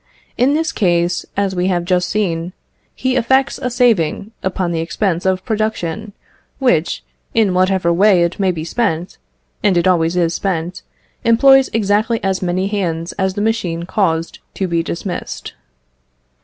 In this case, as we have just seen, he effects a saving upon the expense of production, which, in whatever way it may be spent (and it always is spent), employs exactly as many hands as the machine caused to be dismissed.